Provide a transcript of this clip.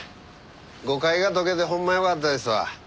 誤解が解けてほんまよかったですわ。